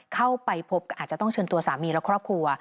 เข้าไปพบก็อาจจะต้องเชิญตัวสามีและครอบครัว